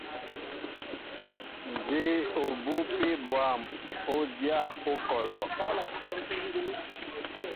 Nzi obupi bwȃm, o dya okɔlɔ.